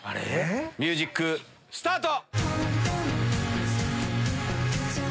ミュージックスタート！